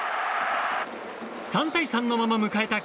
３対３のまま迎えた